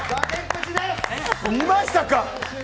見ましたか？